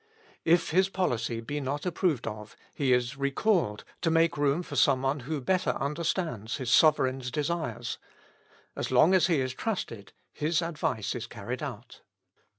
If his policy be not approved of, he is recalled to make room for some one who better understands his sove reign's desires ; as long as he is trusted, his advice is carried out.